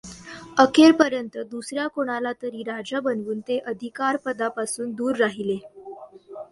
अखेरपर्यंत दुसऱ्या कोणाला तरी राजा बनवून ते अधिकारपदापासून दूर राहिले.